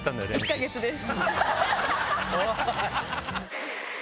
１か月です。